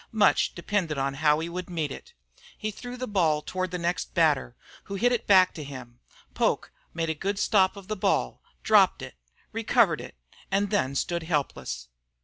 Much depended on how he would meet it. He threw the ball toward the next batter, who hit it back at him. Poke made a good stop of the ball, dropped it, recovered it, and then stood helpless.